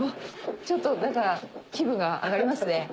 ちょっと気分が上がりますね。